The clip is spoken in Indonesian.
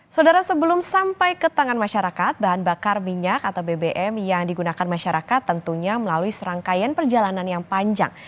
saudara sebelum sampai ke tangan masyarakat bahan bakar minyak atau bbm yang digunakan masyarakat tentunya melalui serangkaian perjalanan yang panjang